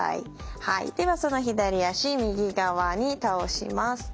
はいではその左脚右側に倒します。